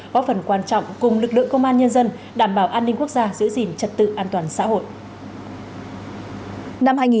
góp phần quan trọng cùng lực lượng công an nhân dân đảm bảo an ninh quốc gia giữ gìn trật tự an toàn xã hội